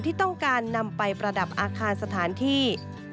ที่ต้องการนำไปประดับอาคารสถานที่